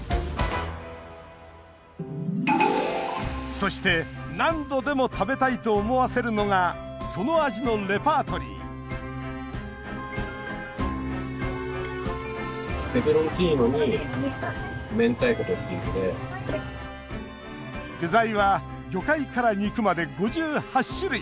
そして、何度でも食べたいと思わせるのがその味のレパートリー具材は魚介から肉まで５８種類。